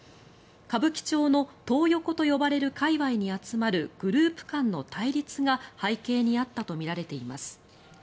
歌舞伎町のトー横と呼ばれる界わいに集まるグループ間の対立が背景にあったとみられています。